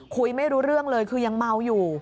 คุยไม่รู้เรื่องเลยคือยังเมาอยู่